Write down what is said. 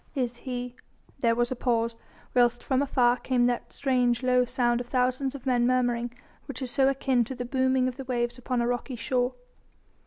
"Is he...?" There was a pause, whilst from afar came that strange low sound of thousands of men murmuring, which is so akin to the booming of the waves upon a rocky shore.